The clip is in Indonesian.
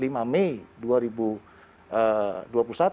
kita telah menggelar operasi kepolisian yaitu dengan sandi antisipasi arus